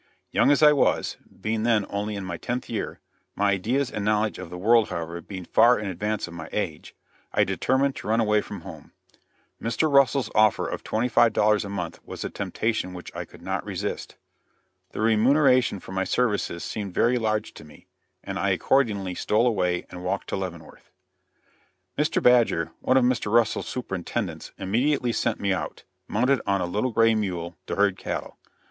Young as I was being then only in my tenth year, my ideas and knowledge of the world, however, being far in advance of my age I determined to run away from home. Mr. Russell's offer of twenty five dollars a month was a temptation which I could not resist. The remuneration for my services seemed very large to me, and I accordingly stole away and walked to Leavenworth. Mr. Badger, one of Mr. Russell's superintendents, immediately sent me out, mounted on a little gray mule, to herd cattle.